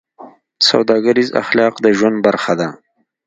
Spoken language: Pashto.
سوداګریز اخلاق د ژوند برخه ده.